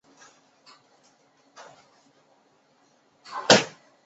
丹佛野马是一支位于科罗拉多州丹佛的职业美式足球球队。